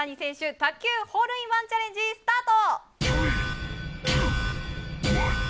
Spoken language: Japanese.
卓球ホールインワンチャレンジスタート。